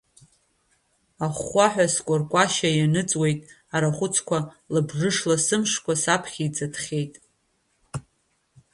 Ахәхәаҳәа скәаркәашьа ианыҵуеит арахәыцқәа, лабжышла сымшқәа саԥхьа иӡыҭхьеит.